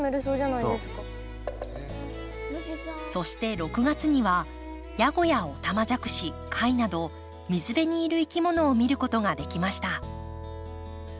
そして６月にはヤゴやオタマジャクシ貝など水辺にいるいきものを見ることができました。